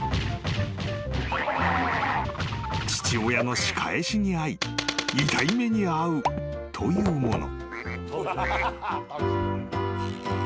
［父親の仕返しに遭い痛い目に遭うというもの］